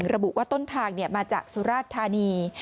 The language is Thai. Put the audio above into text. ระบุว่าต้นทางมาจากสุราชธานี